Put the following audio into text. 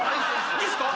いいっすか？